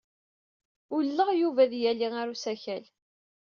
Ulleɣ Yuba ad yali ɣer usakal.